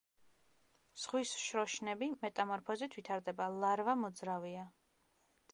ზღვის შროშნები მეტამორფოზით ვითარდება, ლარვა მოძრავია.